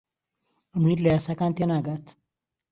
ئەمیر لە یاساکان تێناگات.